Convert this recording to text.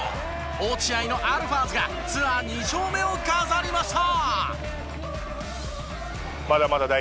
落合のアルファーズがツアー２勝目を飾りました！